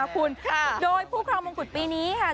คุณโดยผู้ครองมงกุฎปีนี้ค่ะ